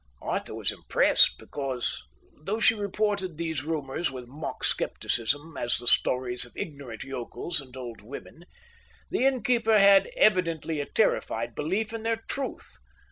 Arthur was impressed because, though she reported these rumours with mock scepticism as the stories of ignorant yokels and old women, the innkeeper had evidently a terrified belief in their truth.